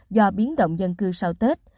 do biến động dân cư sau tết